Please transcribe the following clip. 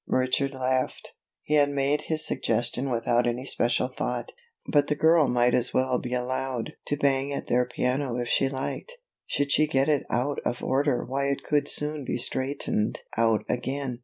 Richard laughed; he had made his suggestion without any special thought, but the girl might as well be allowed to bang at their piano if she liked. Should she get it out of order why it could soon be straightened out again.